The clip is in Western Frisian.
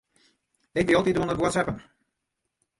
Ik wie altyd oan it whatsappen.